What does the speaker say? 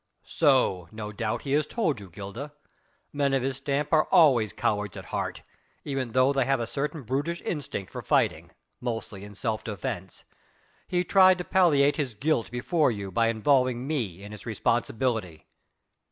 "So, no doubt, he has told you, Gilda. Men of his stamp are always cowards at heart, even though they have a certain brutish instinct for fighting mostly in self defence. He tried to palliate his guilt before you by involving me in its responsibility."